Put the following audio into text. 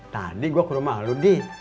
tadi gue ke rumah lu dih